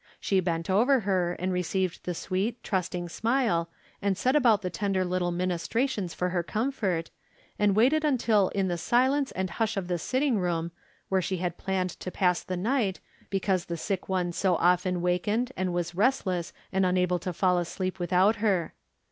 She bent over her and received the sweet, trusting smile, and set about the tender little ministrations for her comfort, and waited until in the silence and hush of the sitting room, where she had planned to pass the night, because the sick one so often wakened, and was restless and unable to fall to sleep with out her.